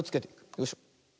よいしょ。